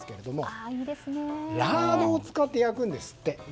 ラードを使って焼くんですって。